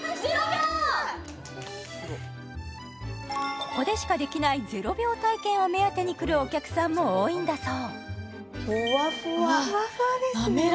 ここでしかできない０秒体験を目当てに来るお客さんも多いんだそう